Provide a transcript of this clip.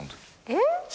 えっ？